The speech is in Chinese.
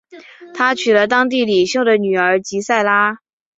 他娶了当地领袖的女儿吉塞拉。